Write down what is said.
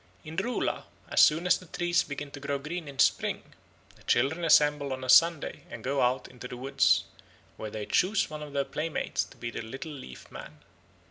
In Ruhla as soon as the trees begin to grow green in spring, the children assemble on a Sunday and go out into the woods, where they choose one of their playmates to be the Little Leaf Man.